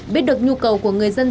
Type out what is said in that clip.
biết được nhu cầu của người dân